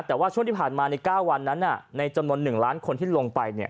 แต่ว่าช่วงที่ผ่านมาใน๙วันนั้นในจำนวน๑ล้านคนที่ลงไปเนี่ย